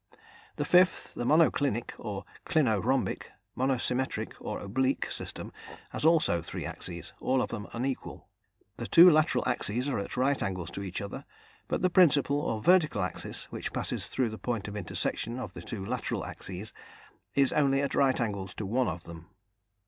The fifth, the monoclinic or clinorhombic, monosymmetric, or oblique system, has also three axes, all of them unequal. The two lateral axes are at right angles to each other, but the principal or vertical axis, which passes through the point of intersection of the two lateral axes, is only at right angles to one of them.